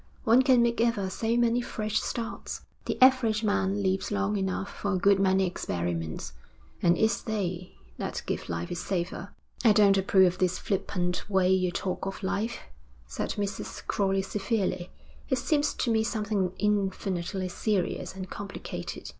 One can make ever so many fresh starts. The average man lives long enough for a good many experiments, and it's they that give life its savour.' 'I don't approve of this flippant way you talk of life,' said Mrs. Crowley severely. 'It seems to me something infinitely serious and complicated.'